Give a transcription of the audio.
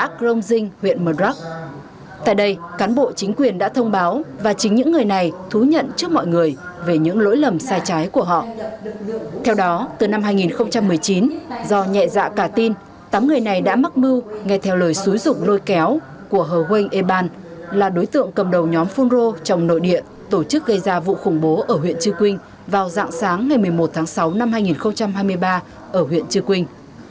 tại huyện mơ rắc tỉnh đắk lắc các già làng trưởng buôn và cán bộ chính quyền vừa đưa tám người nhẹ dạ cả tên mắc mưu ngay theo phun rô có liên quan đến vụ khủng bố ở huyện trưa quynh ra kiểm điểm trước buôn làng